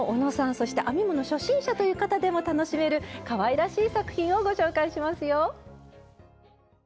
そして編み物初心者という方でも楽しめるかわいらしい作品をご紹介しますよ！